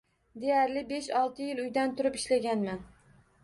Deyarli besh-olti yil uydan turib ishlaganman.